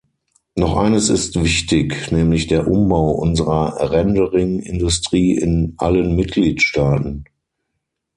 Noch eines ist wichtig, nämlich der Umbau unserer rendering -Industrie in allen Mitgliedstaaten.